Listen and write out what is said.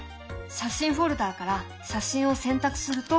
写真フォルダーから写真を選択すると。